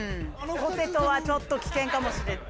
ポテトはちょっと危険かもしれない。